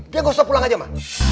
dia gak usah pulang aja mas